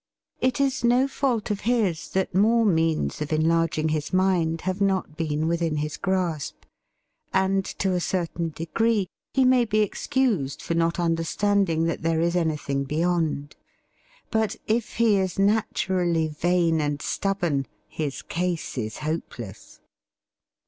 It is no fault of his that more means of enlarging his mind have not been within his grasp, and, to a certain degree, he may be excused for not understanding that there is anything beyond; but if he is naturally vain and stubborn his case is hopeless.